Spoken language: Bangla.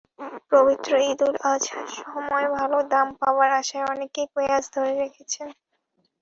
পবিত্র ঈদুল আজহার সময় ভালো দাম পাওয়ার আশায় অনেকেই পেঁয়াজ ধরে রেখেছেন।